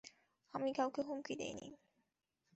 আমি কাউকে হুমকি দেইনি।